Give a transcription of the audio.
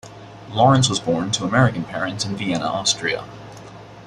Lawrence was born to American parents in Vienna, Austria.